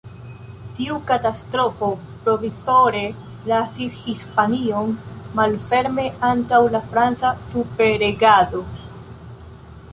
Tiu katastrofo provizore lasis Hispanion malferme antaŭ la franca superregado.